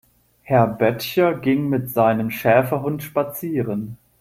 Herr Böttcher ging mit seinem Schäferhund spazieren.